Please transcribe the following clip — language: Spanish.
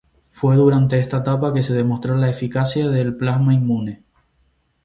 Fue durante esta etapa que se demostró la eficacia del plasma inmune.